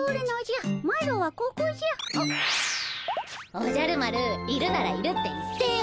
おじゃる丸いるならいるって言ってよ。